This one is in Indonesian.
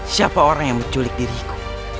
siapa orang yang menculik diriku